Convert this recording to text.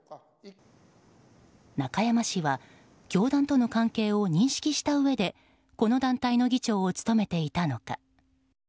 中山氏は教団との関係を認識したうえでこの団体の議長を務めていたのか。